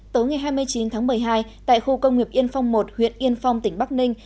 tối ngày hai mươi chín tháng một mươi hai tại khu công nghiệp yên phong một huyện yên phong tỉnh bắc ninh